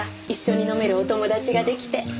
一緒に飲めるお友達が出来て。